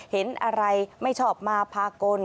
เห็นอะไรไม่ชอบมาพากล